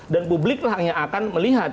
dan publiklah yang akan melihat